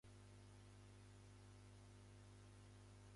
歩きながら本を読む人